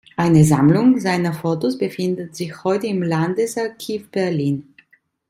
Eine Sammlung seiner Fotos befindet sich heute im Landesarchiv Berlin.